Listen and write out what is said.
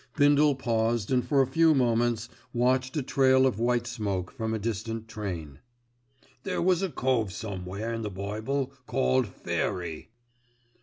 Bindle paused and for a few moments watched a trail of white smoke from a distant train. "There was a cove somewhere in the bible called 'Fairy.